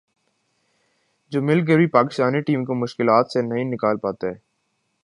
جو مل کر بھی پاکستانی ٹیم کو مشکلات سے نہیں نکال پاتے